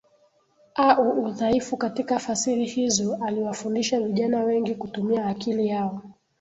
au udhaifu katika fasiri hizo Aliwafundisha vijana wengi kutumia akili yao